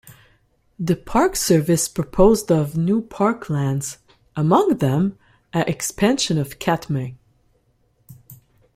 The Park Service proposed of new park lands, among them a expansion of Katmai.